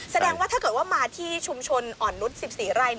แสดงว่าถ้าเกิดว่ามาที่ชุมชนอ่อนนุษย์๑๔ไร่